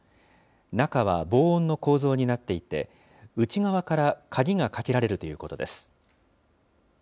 中は防音の構造になっていて、内側から鍵がかけられるということです。